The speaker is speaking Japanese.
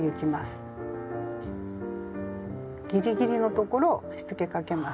ギリギリの所をしつけかけます。